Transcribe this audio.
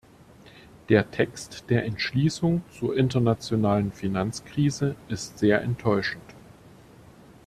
Der Text der Entschließung zur internationalen Finanzkrise ist sehr enttäuschend.